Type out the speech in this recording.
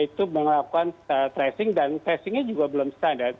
itu melakukan tracing dan tracingnya juga belum standar